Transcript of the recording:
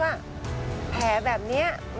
มันจะเป็นแบบไหนอะไรยังไง